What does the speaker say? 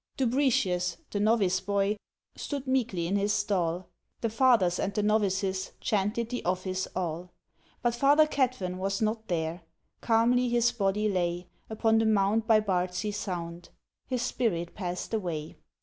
Dubritius, the novice boy, Stood meekly in his stall, The fathers and the novices Chanted the Office all. But Father Cadfan was not there, Calmly his body lay; Upon the mound by Bardsey Sound, His spirit passed away.